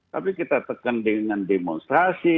tapi kita tekan dengan demonstrasi